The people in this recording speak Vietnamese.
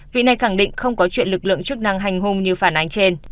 vị này khẳng định không có chuyện lực lượng chức năng hành hung như phản ánh trên